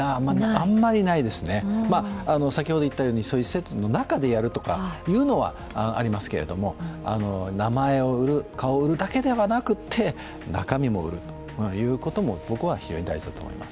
あんまりないですね、先ほど言ったように、施設の中でやるとかというのはありますけれども、名前を売る、顔を売るだけではなくて、中身も売るということも僕は非常に大切だと思います。